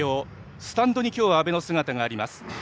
スタンドに今日は阿部の姿があります。